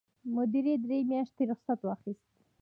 مدیرې درې میاشتې رخصت واخیست.